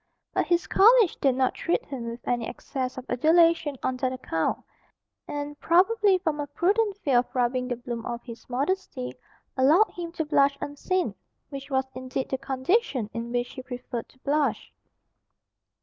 But his college did not treat him with any excess of adulation on that account, and, probably from a prudent fear of rubbing the bloom off his modesty, allowed him to blush unseen which was indeed the condition in which he preferred to blush.